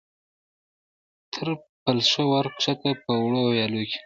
تر پل ښه ور کښته، په وړو ویالو کې.